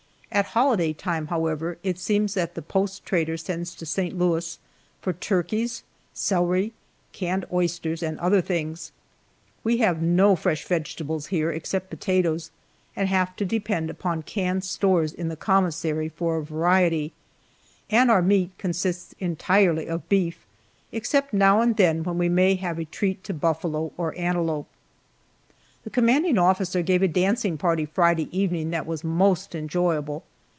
At holiday time, however, it seems that the post trader sends to St. Louis for turkeys, celery, canned oysters, and other things. We have no fresh vegetables here, except potatoes, and have to depend upon canned stores in the commissary for a variety, and our meat consists entirely of beef, except now and then, when we may have a treat to buffalo or antelope. The commanding officer gave a dancing party Friday evening that was most enjoyable.